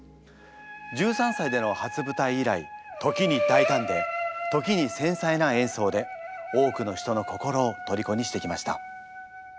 １３歳での初舞台以来時に大胆で時に繊細な演奏で多くの人の心をとりこにしてきました。